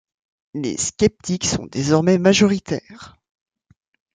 Les sceptiques sont désormais majoritaires.